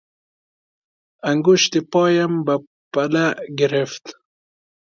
انگشت پایم به پله گرفت.